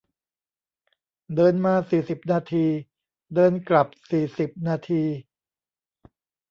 เดินมาสี่สิบนาที เดินกลับสี่สิบนาที